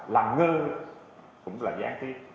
là ngơ cũng là gián tiết